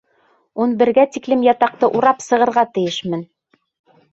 Ун бергә тиклем ятаҡты урап сығырға тейешмен!